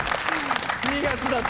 ２月だった。